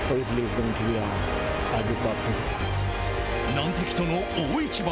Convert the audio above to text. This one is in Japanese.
難敵との大一番。